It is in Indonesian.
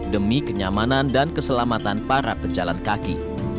demi kenyamanan dan keselamatan para pejalan kaki